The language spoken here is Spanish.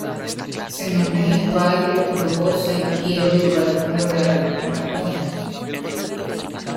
Se nombran igual que los grupos alquilo de igual número de átomos de carbono.